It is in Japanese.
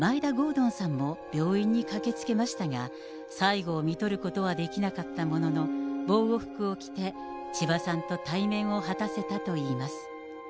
敦さんも病院に駆けつけましたが、最期をみとることはできなかったものの、防護服を着て千葉さんと対面を果たせたといいます。